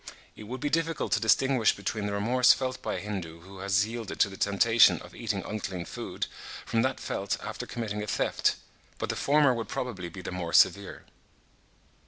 It would be difficult to distinguish between the remorse felt by a Hindoo who has yielded to the temptation of eating unclean food, from that felt after committing a theft; but the former would probably be the more severe.